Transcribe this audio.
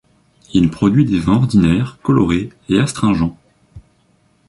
Il produit des vins ordinaires, colorés et astringents.